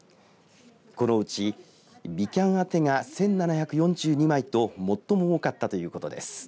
このうち、みきゃん宛てが１７４２枚と最も多かったということです。